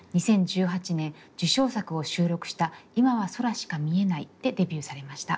２０１８年受賞作を収録した「いまは、空しか見えない」でデビューされました。